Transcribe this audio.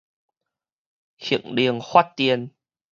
核能發電